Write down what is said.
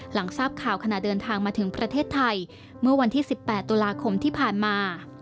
หลังทราบข่าวขณะเดินทางมาถึงประเทศไทยเมื่อวันที่๑๘ตุลาคมที่ผ่านมา